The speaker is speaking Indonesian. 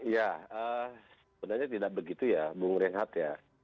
ya sebenarnya tidak begitu ya bung rehat ya